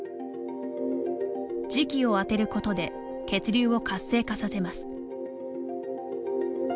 磁気を当てることで血流を活性化させます。